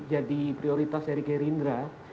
jadi prioritas dari gerindra